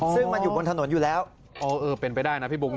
ซึ่งมันอยู่บนถนนอยู่แล้วอ๋อเออเป็นไปได้นะพี่บุ๊